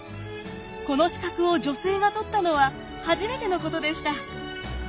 この資格を女性が取ったのは初めてのことでした。